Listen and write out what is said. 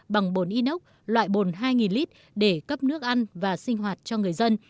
bằng bồn inox loại bồn hai lít để cấp nước ăn và sinh hoạt cho người dân